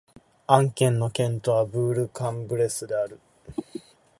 アン県の県都はブール＝カン＝ブレスである